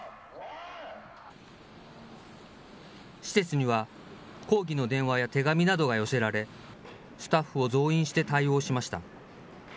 施設には抗議の電話や手紙などが寄せられ、スタッフを増員して対応しました。